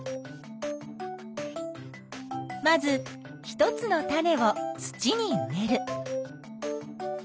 まず一つの種を土に植える。